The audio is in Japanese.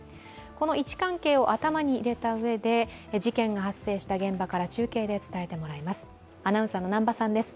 この位置関係を頭に入れたうえで、事件が発生した現場から中継で伝えてもらいます。